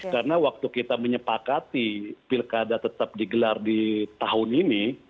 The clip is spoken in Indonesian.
karena waktu kita menyepakati pilkada tetap digelar di tahun ini